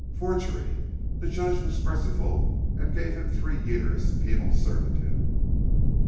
"Forgery! The judge was merciful and gave him three years' penal servitude."